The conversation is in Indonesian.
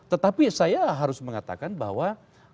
tetapi saya harus mengatakan bahwa